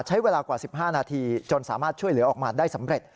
ใช้เวลากว่า๑๕นาทีจนสามารถช่วยเหลือออกมาได้สำเร็จ